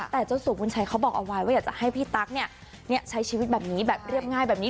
แต่เจ้าสู่บุญชัยเขาบอกเอาไว้ว่าอยากจะให้พี่ตั๊กใช้ชีวิตแบบนี้แบบเรียบง่ายแบบนี้